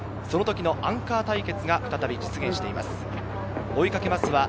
その時のアンカー対決が再び実現しています。